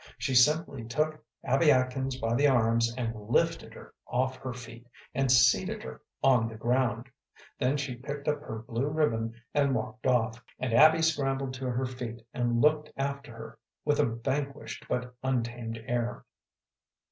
She simply took Abby Atkins by the arms and lifted her off her feet and seated her on the ground. Then she picked up her blue ribbon, and walked off, and Abby scrambled to her feet and looked after her with a vanquished but untamed air.